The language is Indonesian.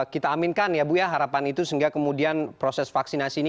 kita aminkan ya bu ya harapan itu sehingga kemudian proses vaksinasi ini